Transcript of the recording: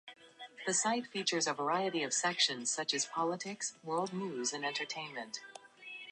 Webb was quickly becoming out of sync with his times.